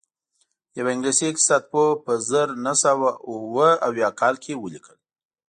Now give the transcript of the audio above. یوه انګلیسي اقتصاد پوه په زر نه سوه اووه اویا کال کې ولیکل